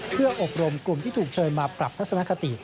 เพื่ออบรมกลุ่มที่ถูกเชิญมาปรับทัศนคติ